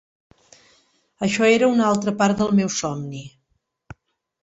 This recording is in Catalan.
Això era un altra part del meu somni.